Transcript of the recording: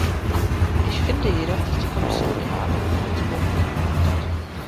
Ich finde jedoch, dass die Kommission ihre Arbeit in Johannesburg gut gemacht hat.